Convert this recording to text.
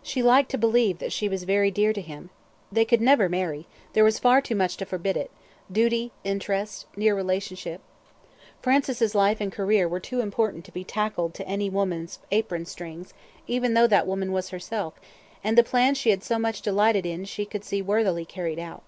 She liked to believe that she was very dear to him; they could never marry; there was far too much to forbid it duty, interest, near relationship. Francis' life and career were too important to be tacked to any woman's apron strings, even though that woman was herself, and the plans she had so much delighted in she could see worthily carried out.